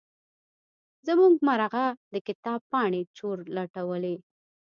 زمونږ مرغه د کتاب پاڼې چورلټوي.